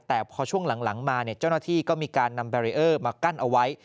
แต่พอช่วงหลังมาเจ้าหน้าที่ก็มีการนำแบรีเออร์มากั้นเอาไว้